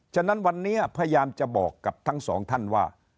ฉะนั้นวันนี้พยายามจะบอกกับทั้งสองท่านว่า